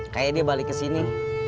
kayaknya dia balik kesini